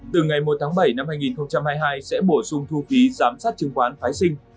từ ngày một tháng bảy năm hai nghìn hai mươi hai sẽ bổ sung thu phí giám sát chứng khoán phái sinh